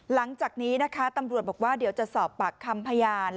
หลังจากนี้นะคะตำรวจบอกว่าเดี๋ยวจะสอบปากคำพยาน